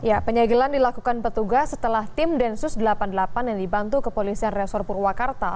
ya penyegelan dilakukan petugas setelah tim densus delapan puluh delapan yang dibantu kepolisian resor purwakarta